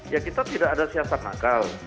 ya kita tidak ada siasat nakal